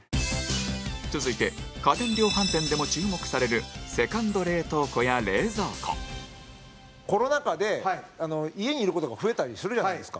続いて家電量販店でも注目されるセカンド冷凍庫や冷蔵庫コロナ禍で、家にいる事が増えたりするじゃないですか。